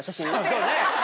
そうね。